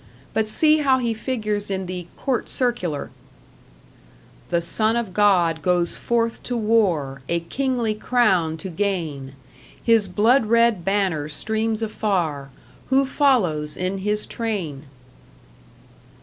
But see how he figures in the Court Circular: The Son of God goes forth to war, A kingly crown to gain: His blood red banner streams afar: Who follows in His train?